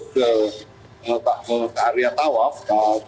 maka mereka akan menggunakan kain ikram yang tidak berguna